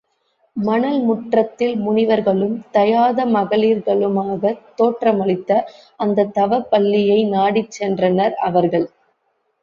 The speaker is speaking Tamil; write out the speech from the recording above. மணல் முற்றத்தில் முனிவர்களும் தயாத மகளிர்களுமாகத் தோற்றமளித்த அந்தத் தவப் பள்ளியை நாடிச் சென்றனர் அவர்கள்.